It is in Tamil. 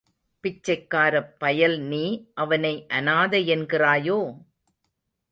பிச்சைக்காரப்பயல் நீ அவனை அனாதையென்கிறாயோ!